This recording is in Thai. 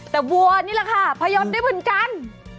แต่วัวนี่แหละค่ะพยนตร์ได้เหมือนกัน